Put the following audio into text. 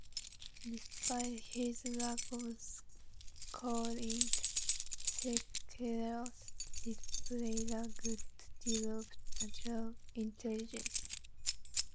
Despite his lack of schooling, Sequoyah displayed a good deal of natural intelligence.